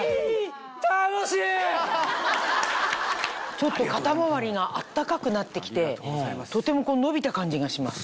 ちょっと肩周りが温かくなって来てとても伸びた感じがします。